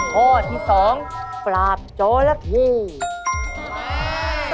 ข้อที่สองปราบจราเข้